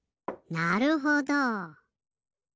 なるほど。